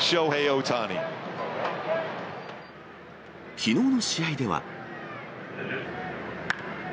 きのうの試合では。